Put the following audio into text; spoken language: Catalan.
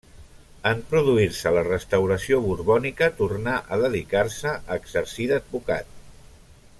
En produir-se la restauració borbònica tornà a dedicar-se a exercir d'advocat.